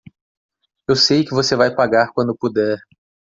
Eu sei que você vai pagar quando puder.